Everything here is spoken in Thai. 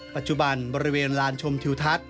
ปัจจุบันบริเวณลานชมทิวทัศน์